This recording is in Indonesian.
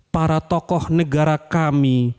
para tokoh negara kami